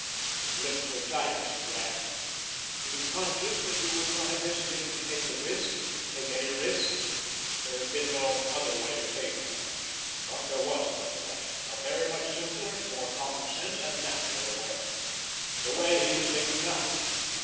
His lips were tight, as he ran. He was conscious that he would not have hesitated to take the risk, to take any risk, if there had been no other way of saving her. But there was another way, a very much simpler, more common sense and natural a way; the way he was taking now.